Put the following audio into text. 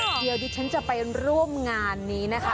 เดี๋ยวดิฉันจะไปร่วมงานนี้นะคะ